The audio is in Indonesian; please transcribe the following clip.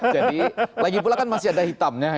jadi lagi pula kan masih ada hitamnya